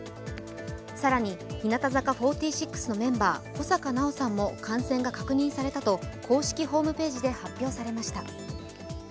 更に日向坂４６のメンバー、小坂菜緒さんも感染が確認されたと公式ホームページで発表されました。